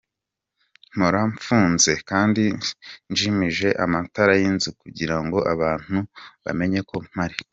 Mpora mfunze kandi nzimije amatara y’inzu kugira ngo abantu batamenya ko mpari.